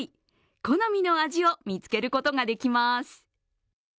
好みの味を見つけることができます。